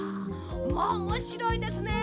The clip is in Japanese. まあおもしろいですね。